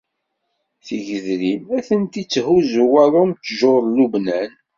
Tigedrin, a tent-itthuzzu waḍu am ttjur n Lubnan.